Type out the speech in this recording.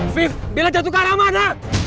viv bella jatuh ke arah mana